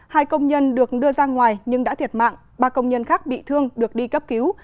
hai công nhân được đưa ra ngoài nhưng đã thiệt mạng ba công nhân khác bị thương được đi cấp cứu